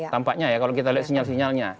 tampaknya ya kalau kita lihat sinyal sinyalnya